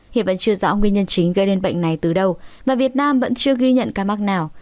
hiện vẫn chưa rõ nguyên nhân chính gây nên bệnh này từ đâu và việt nam vẫn chưa ghi nhận ca mắc nào